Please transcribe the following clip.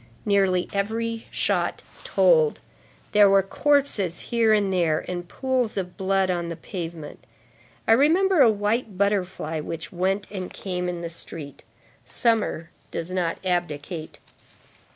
Nearly every shot told. There were corpses here and there, and pools of blood on the pavement. I remember a white butterfly which went and came in the street. Summer does not abdicate.